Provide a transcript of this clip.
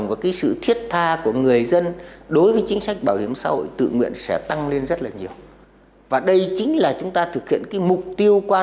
và hoàn thiện của chế độ bảo hiểm xã hội tự nguyện thu hút đông đảo người dân tham gia